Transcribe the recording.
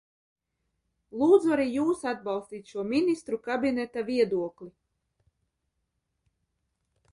Lūdzu arī jūs atbalstīt šo Ministru kabineta viedokli.